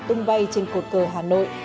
tung bay trên cột cờ hà nội